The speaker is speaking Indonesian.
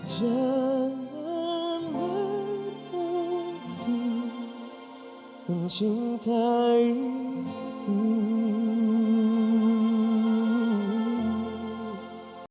jangan lupa like share dan subscribe